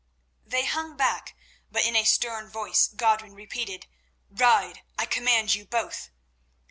They hung back, but in a stern voice Godwin repeated: "Ride, I command you both."